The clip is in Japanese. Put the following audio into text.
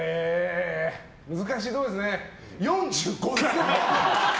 難しいところですね。